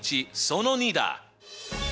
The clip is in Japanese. その２だ！